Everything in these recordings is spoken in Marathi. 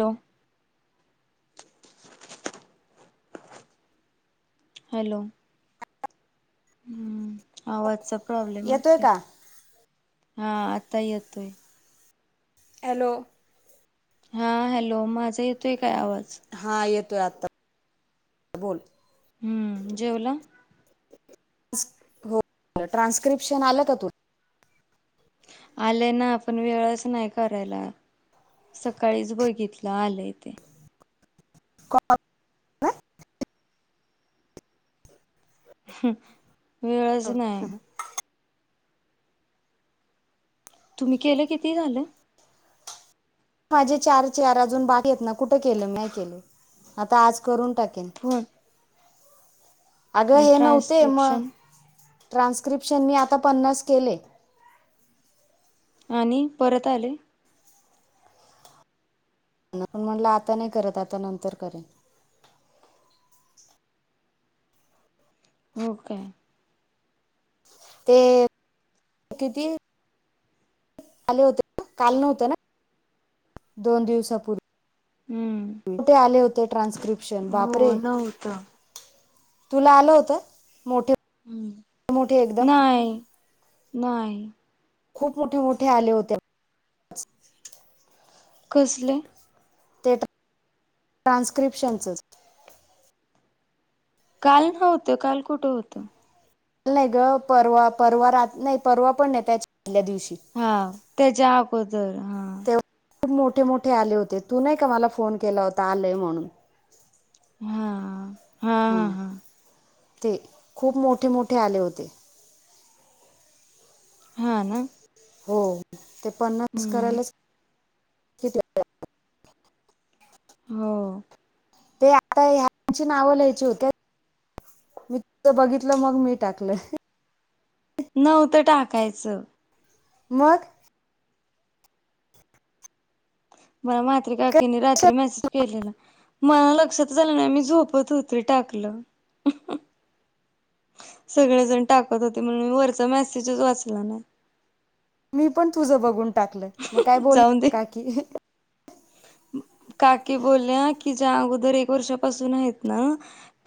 हॅलो हॅलो हम्म आवाजचा प्रॉब्लेमच येतोय आहे का हा आता येतोय. हॅलो हा हॅलो, माझा येतोय काय आवाज? हा येतोय आता. बोल हम्म, जेवला? हो ट्रान्स्क्रिप्शन आलं का तु आलय ना पण वेळच नाही करायला. सकाळीच बघितलं आलंय ते. वेळच नाही. तुम्ही केलं किती झालं? माझे चार चार अजून बाकी आहेत ना कुठं केलं नाही केलं आता आज करून टाकेन. होर अगं हे नव्हते मग ट्रान्स्क्रिप्शन ट्रान्स्क्रिप्शन मी आता पन्नास केले. आणि परत आले? मी म्हटलं आता नाही करत आता नंतर करेन. हो काय ते किती आले होते ना काल नव्हते ना दोन दिवसापूर्वी. हम्म कुठे आले होते ट्रान्स्क्रिप्शन बापरे, हो नव्हतं तुला आलं होत? मोठ ह नाही नाही खूप मोठे मोठे आले होते. [unintelligible] कसलं? ते ट्रान्स्क्रिप्शनचंच काल नव्हतं, काल कुठं होतं? काल नाही ग परवा- परवा रा नाही, परवा पण नाही त्याच्या आल्या दिवशी हा त्याच्या आगोदर हा. तेव्हा खूप मोठे -मोठे आले होते, तू नाही का मला फोन केला होता आलेय म्हणून. हा, हा हां हा हा ते खूप मोठे- मोठे आले होते. हा ना. हो ते पन्नास हम्म करायलाच [unintelligible] किती वेळ लागला. हो. ते आता ह्यांची नावं लिहायची होत्यात मी तुझं बघितलं म्हणुन मग मी टाकलं. नव्हते टाकायचं. मग मला म्हाञी काकीनी कशाला? रात्री मेसेज केलेला, मला लक्षात आलं नाही, मी झोपत होते टाकलं सगळेजण टाकत होते, म्हणून मी वरचं मेसेजच वाचला नाही. मी पण तुझं बघून टाकलंय, मग काय बोल जाऊन दे कि काकी काकी बोलल्या कि ज्या अगोदर एक वर्षापासून आहेत ना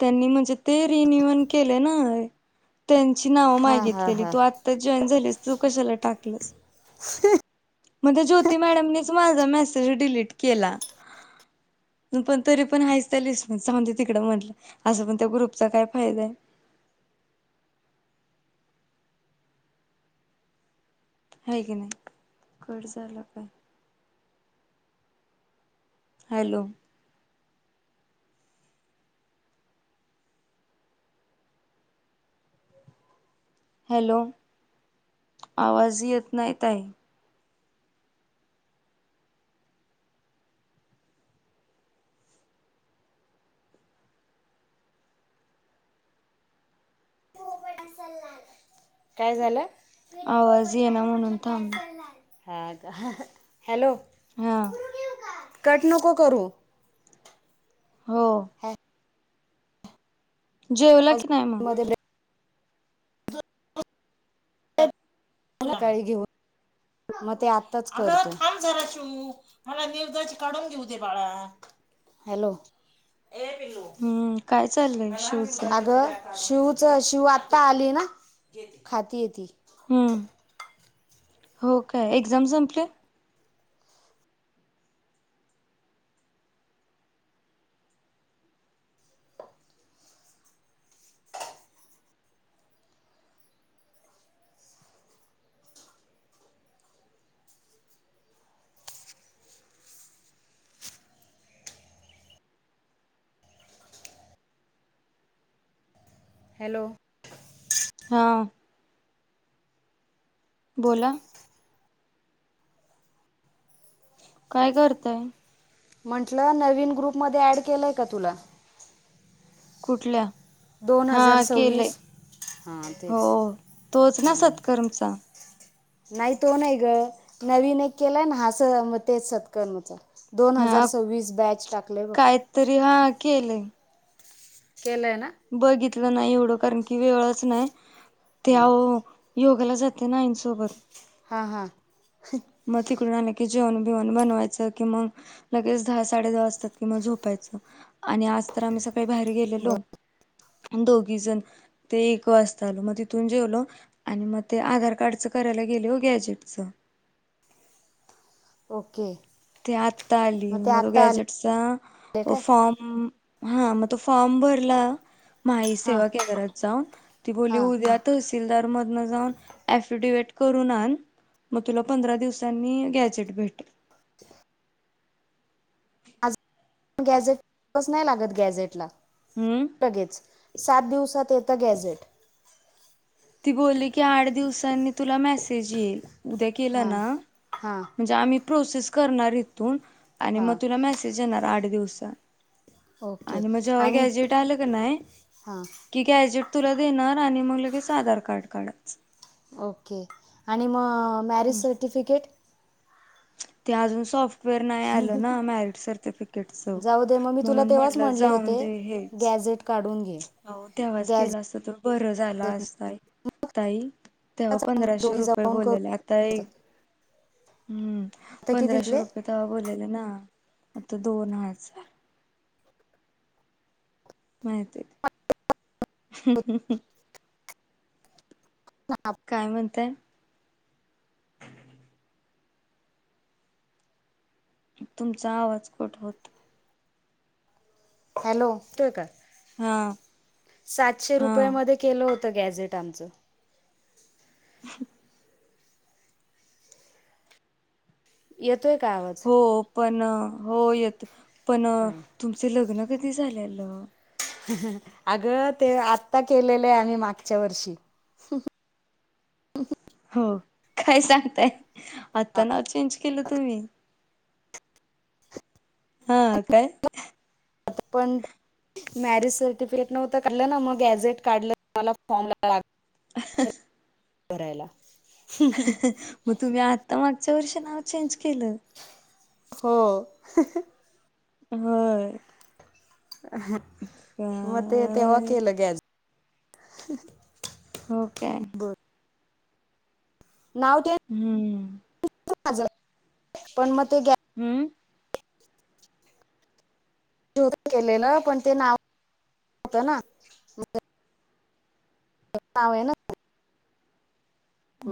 त्यांनी म्हणजे ते रिनीव्हल केले ना. त्यांची नाव हा हा मागितलेली, हा तू आत्ताच जॉईन झालीस तू कशाला टाकलंस? म त्या ज्योती मॅडमनीच माझा मेसेज डिलीट केला. पण तरी पण हायेच त्या लिस्ट मधी जाऊदे तिकडं म्हटलं असं पण त्या ग्रुपचा काय फायदा आहे. हाय की नाही कट झाला पाय. हॅलो, हॅलो, आवाज येत नाही ताई [unintelligible] काय झालं? आवाज येइना म्हणून थांबले. हा का? हॅलो, हा, कट नको करू. हो. जेवला कि नाय म? मध्ये हो [unintelligible] मग ते आताच, आरे थांब जरा शिव मला निवदाची काढून घेऊ दे बाळा. हॅलो, हम्म काय चाललंय शिवच [unintelligible] शिवच, शिव आता आली ना खाती ये ती. हम्म, हो काय एक्झाम संपल्या? हॅलो, हां, बोला. काय करताय? म्हंटलं नवीन ग्रुपमध्ये ऍड केलंय का तुला? कुठल्या, दोन हजार हा केलय सव्वीस. हा हो तेच तोच ना हम्म. सत्कर्मचा, नाही तो नाही ग नवीन एक केलाय ना हस मग तेच सत्कर मच! दोन हजार सव्वीस बॅच टाकले बघ, तरी हा केलंय, केले आहे ना, बघितलं नाही एवढं कारण कि वेळच नाही ते अहो, योगाला जाते ना आई सोबत, हा हा [unintelligible] मग तिकडून आलं की जेवण बीवण बनवायचं कि मग? लगेच दहा साडे दहा वाजता किं म झोपायचं आणि आज तर आम्ही सकाळी बाहेर गेलतो. बरं दोघी जण ते एक वाजता आल मग तिथून जेवलो! आणि मग ते आधार कार्डचं करायला गेले हो गॅजेटचं ओके, ते आता आली मग ते म तो आत्ता गॅजेटचा आले अ काय? फॉर्म, हा मग तो फॉर्म भरला माही हां सेवा केंद्रात जाऊन ती बोलली हां उद्या. तसीलदार मधन जाऊन अफिडिट करून आन. मग तुला पंधरा दिवसांनी गॅजेट भेटल, आज गॅझेट बस नाही लागत गॅझेटला? हम्म, लगेच सात दिवसात येतं गॅझेट! ती बोलली की आठ दिवसांनी तुला मेसेज येईल उद्या केलं हां ना, हां म्हणजे आम्ही प्रोसेस करणार इथून आणि मग हां तुला मेसेज येणार आठ दिवसात. ओके आणि म जेव्हा आणि गॅजट आलं का नाय हां कि, गॅजेट तुला देणार आणि मग लगेच आधार कार्ड काढाएच. ओके आणि मग मॅरिज हम्म सर्टिफिकेट ते अजून सॉफ्ट, फवेअर नाही आलं ना मॅरिट सर्टिफिकेटच जाऊ दे मग मी तुला म्हणून तेव्हाच म्हटलं म्हणले जाऊन होते दे हेच! गॅझेट काढून घे, हो तेव्हाच केला गॅझेट असत तो बरं झाला असताय, ताई.. तेव्हा पंधराशे दोघी रुपये जाऊन करू बोललेले आता एक, हम्म आता किती पंधराशे घेतले रुपये तवा बोलला ना आता दोन हजार. माहती हाय, [unintelligible] काय म्हणताय, तुमचा आवाज कट होतोय, हॅलो येतोय का? हा, सातशे हा रुपयामध्ये केलं होतं गॅझेट आमचं येतो का आवाज, हो पण हो येत पण तुमच लग्न कधी झालेलं अगं ते आत्ता केलेलं आहे मागच्या वर्षी हो काय सांगताय आत्ता नाव चेंज केलं तुम्ही हा काय, आता पण मॅरिज सर्टिफिकेट नव्हत काढलं ना, मग गॅझेट काढलं. मला फॉर्म ला लाग अ [inaudible] भरायला. म तुम्ही आत्ता मागच्या वर्षी नाव चेंज केलं. हो. [inaudible] होय. म तेव्हा काय केलं ग्याज हो काय? बर नाव ते हुं. माझ पण मग ते हुं. दुरुस्त केलेलं पण, ते नाव होत ना नाव ये ना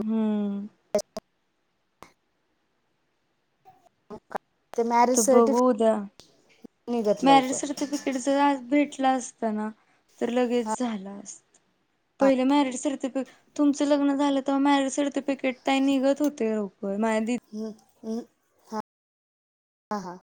हुं. ते त मॅरेज बघू सर्टिफिकेट उद्या निघत मॅरिड लवकर सरतीफिकेट. तड जर आज भेटला असत ना, तर लगेच झाला असत. पहिले मॅरीड सरतीफीकीट तुमचं लग्न झालं तवा, मॅरिज सर्टिफिकेट ताय निघत होते लवकर. माह्या दिदिन हू हू. हां हां हां.